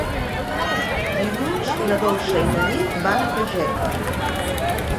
Dilluns na Dolça i na Nit van a Fageca.